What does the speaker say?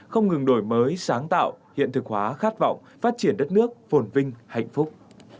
không ngừng đổi mới sáng tạo hiện thực hóa khát vọng phát triển đất nước phồn vinh hạnh phúc